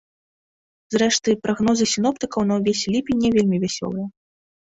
Зрэшты, прагнозы сіноптыкаў на ўвесь ліпень не вельмі вясёлыя.